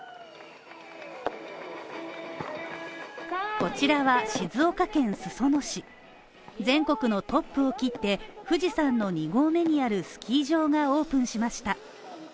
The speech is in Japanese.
こちらは静岡県裾野市、全国のトップを切って富士山の２合目にあるスキー場がオープンしました。